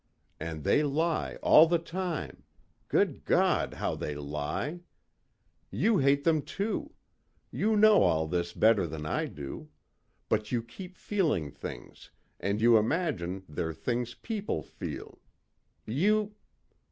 And they lie all the time good God, how they lie. You hate them too. You know all this better than I do. But you keep feeling things and you imagine they're things people feel. You...."